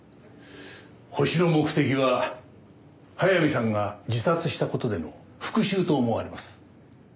ホシの目的は早見さんが自殺した事での復讐と思われます。